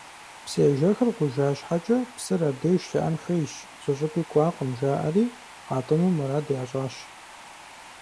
Псыежэхыр гъужа щхьэкӏэ, псыр абдеж щыӏэн хуейщ, зыщӏыпӏи кӏуакъым жаӏэри, къатӏыну мурад ящӏащ.